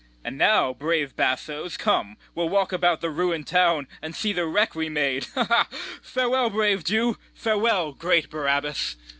And now, brave bassoes, come; we'll walk about The ruin'd town, and see the wreck we made. Farewell, brave Jew, farewell, great Barabas! BARABAS.